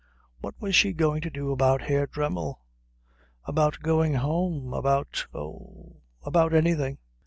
What was she going to do about Herr Dremmel? About going home? About oh, about anything?